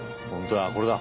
これだ。